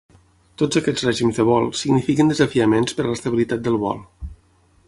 Tots aquests règims de vol signifiquen desafiaments per a l'estabilitat del vol.